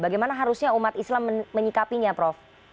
bagaimana harusnya umat islam menyikapinya prof